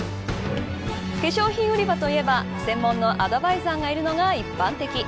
化粧品売り場といえば専門のアドバイザーがいるのが一般的。